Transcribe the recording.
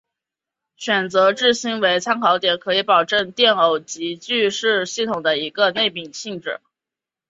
选择质心为参考点可以保证电偶极矩是系统的一个内禀性质。